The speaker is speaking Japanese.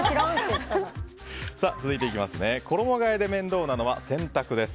続いて、衣替えで面倒なのは洗濯です。